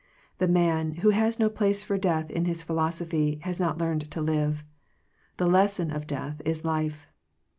The man, who has no place for death in his philosophy, has not learned to live. The lesson of death is life.